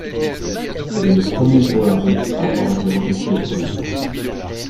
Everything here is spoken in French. Il est le premier joueur russe à avoir été repêché au premier tour.